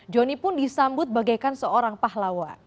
joni pun disambut bagaikan seorang pahlawan